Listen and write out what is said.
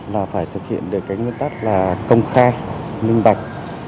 là phải thực hiện được nguyên tắc công khai minh bạch